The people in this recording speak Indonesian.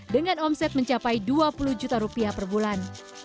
dengan omset mencapai dua puluh juta rupiah per bulan